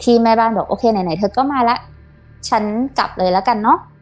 แม่บ้านบอกโอเคไหนไหนเธอก็มาแล้วฉันกลับเลยแล้วกันเนอะ